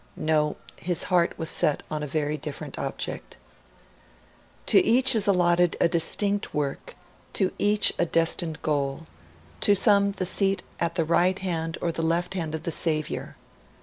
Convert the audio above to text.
No! His heart was set upon a very different object. 'To each is allotted a distinct work, to each a destined goal; to some the seat at the right hand or left hand of the Saviour.